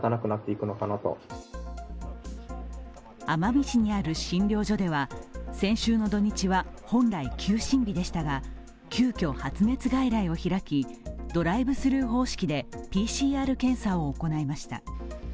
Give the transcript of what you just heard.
奄美市にある診療所では先週の土日は本来、休診日でしたが急きょ、発熱外来を開き、ドライブスルー方式でＰＣＲ検査を行いました。